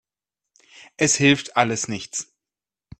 Es hilft alles nichts.